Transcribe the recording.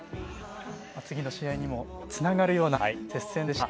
次の試合にもつながるような接戦でした。